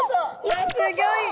わすギョい！